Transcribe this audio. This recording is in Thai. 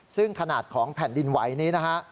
ซึ่งขนาดของแผ่นดินไหวนี้นะฮะ